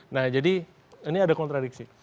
nah jadi ini ada kontradiksi